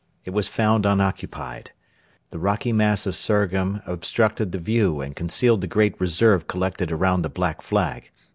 It was found unoccupied. The rocky mass of Surgham obstructed the view and concealed the great reserve collected around the Black Flag.